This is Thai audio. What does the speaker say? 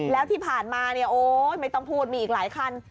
แล้วที่ผ่านมาเนี่ยโอ๊ยไม่ต้องพูดมีอีกหลายคัน